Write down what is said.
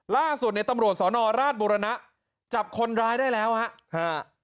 ล่าสุดในตำรวจสอนอราชบุรณะจับคนร้ายได้แล้วฮะ